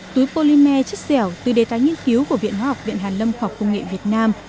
túi polymer chất dẻo từ đề tài nghiên cứu của viện hoa học viện hàn lâm khoa học công nghệ việt nam